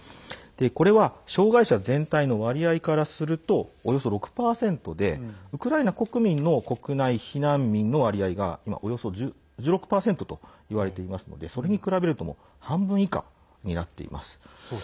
これは障害者全体の割合からするとおよそ６％でウクライナ国民の国内避難民の割合が今、およそ１６％といわれていますのでそれに比べると半分以下になっています。